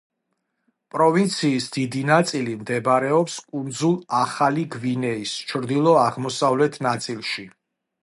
პროვინციის დიდი ნაწილი მდებარეობს კუნძულ ახალი გვინეის ჩრდილო-აღმოსავლეთ ნაწილში.